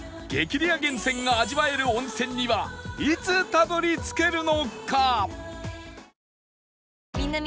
レア源泉が味わえる温泉にはいつたどり着けるのか？